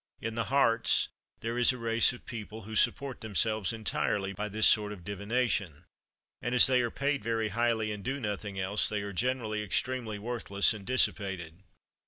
In the Hartz, there is a race of people who support themselves entirely by this sort of divination; and as they are paid very highly, and do nothing else, they are generally extremely worthless and dissipated.